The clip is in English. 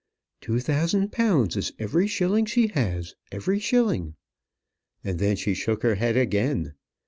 "Two thousand pounds is every shilling she has every shilling." And then she shook her head again.